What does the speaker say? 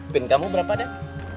pin kamu berapa den